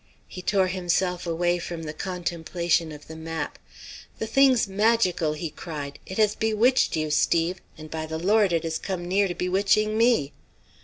He tore himself away from the contemplation of the map. "The thing's magical!" he cried. "It has bewitched you, Steve, and by the Lord it has come near to bewitching me!"